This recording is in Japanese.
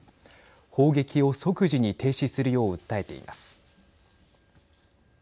砲撃を即時に停止するよう訴えています。